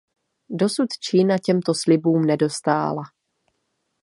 Dosud Čína těmto slibům nedostála.